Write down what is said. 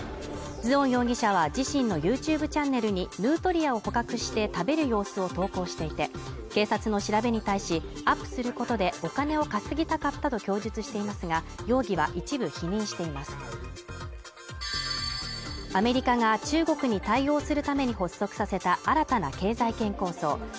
ズオン容疑者は自身のＹｏｕＴｕｂｅチャンネルにヌートリアを捕獲して食べる様子を投稿していて警察の調べに対しアップすることでお金を稼ぎたかったと供述していますが容疑は一部否認していますアメリカが中国に対応するために発足させた新たな経済圏構想